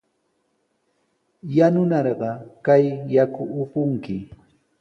Yanunarqa kay yaku upunki.